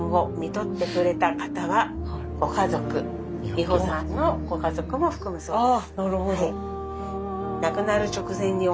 美穂さんのご家族も含むそうです。